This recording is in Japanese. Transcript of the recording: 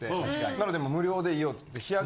なのでもう無料でいいよって。